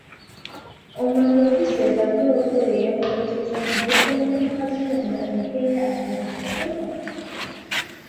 Omwenge bwe guseerera guloopa oyo eyaguyiisizza nti yeetabye ne mukazi we nga enkeera anaasogola?